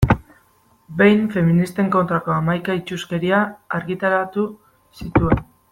Behin feministen kontrako hamaika itsuskeria argitaratu zituen.